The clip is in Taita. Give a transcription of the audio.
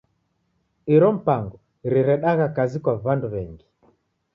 Iro mipango riredagha kazi kwa w'andu w'engi.